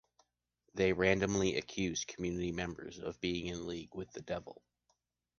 They randomly accused community members of being in league with the devil.